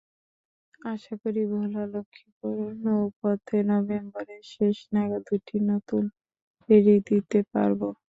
আশা করি, ভোলা-লক্ষ্মীপুর নৌপথে নভেম্বরের শেষ নাগাদ দুটি নতুন ফেরি দিতে পারব।